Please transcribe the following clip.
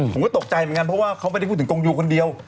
ผมก็ตกใจเหมือนกันเพราะว่าเขาไม่ได้พูดถึงกงยูคนเดียว